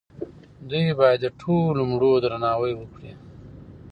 دوی باید د ټولو مړو درناوی وکړي.